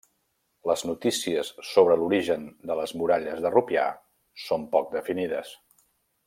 Les notícies sobre l'origen de les muralles de Rupià són poc definides.